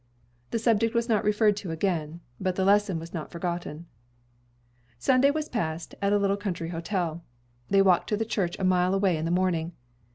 The subject was not referred to again, but the lesson was not forgotten. Sunday was passed at a little country hotel. They walked to the Church a mile away in the morning.